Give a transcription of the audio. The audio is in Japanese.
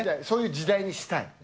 そういう時代にしたい。